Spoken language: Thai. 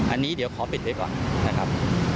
อันนี้เดี๋ยวขอปิดไว้ก่อนนะครับ